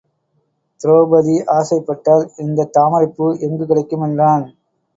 திரொபதி ஆசைப்பட்டாள் இந்தத் தாமரைப் பூ எங்குக் கிடைக்கும்? என்றான்.